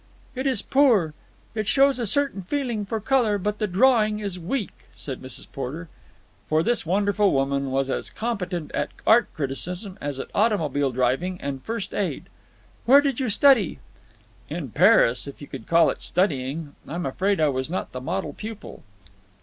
"It is poor. It shows a certain feeling for colour, but the drawing is weak," said Mrs. Porter. For this wonderful woman was as competent at art criticism as at automobile driving and first aid. "Where did you study?" "In Paris, if you could call it studying. I'm afraid I was not the model pupil."